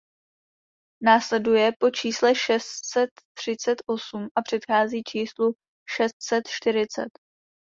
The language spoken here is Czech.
Následuje po čísle šest set třicet osm a předchází číslu šest set čtyřicet.